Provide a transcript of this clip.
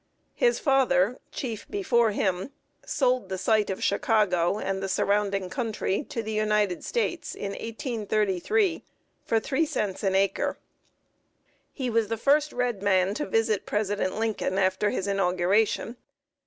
His father, chief before him, sold the site of Chicago and the surrounding country to the United States in 1833 for three cents an acre. He was the first red man to visit President Lincoln after his inauguration.